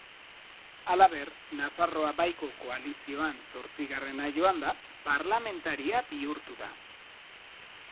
Halaber, Nafarroa Baiko koalizioan zortzigarrena joanda, parlamentaria bihurtu da.